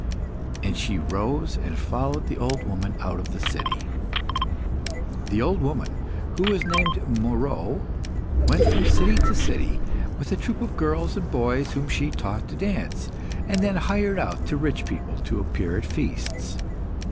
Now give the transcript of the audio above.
And she rose and followed the old woman out of the city. The old woman, who was named Moeroe, went from city to city with a troupe of girls and boys, whom she taught to dance, and then hired out to rich people to appear at feasts.